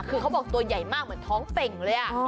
คือเขาบอกตัวใหญ่มากเหมือนท้องเป่งเลย